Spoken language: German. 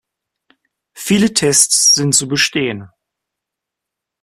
Viele Tests sind zu bestehen.